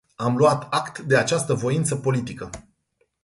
Am luat act de această voință politică.